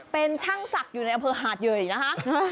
เป็นช่างศักดิ์อยู่ในอำเภอหาดเยยนะคะ